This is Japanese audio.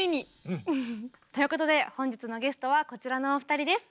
うん！ということで本日のゲストはこちらのお二人です。